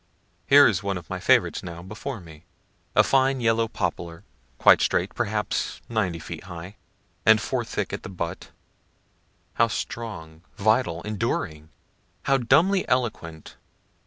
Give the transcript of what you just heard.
Here is one of my favorites now before me, a fine yellow poplar, quite straight, perhaps 90 feet high, and four thick at the butt. How strong, vital, enduring! how dumbly eloquent!